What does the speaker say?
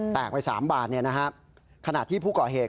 ไป๓บาทขณะที่ผู้ก่อเหตุ